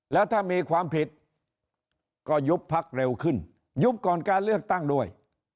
แล้วถ้ามีความผิดก็ยุบพักเร็วขึ้นยุบก่อนการเลือกตั้งด้วย